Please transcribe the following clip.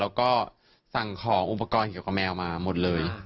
แล้วก็สั่งของอุปกรณ์เกี่ยวกับแมวมาหมดเลย